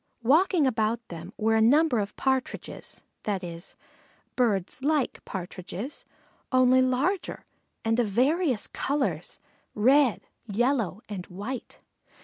Walking about them were a number of Partridges, that is, birds like Partridges, only larger and of various colors, red, yellow, and white.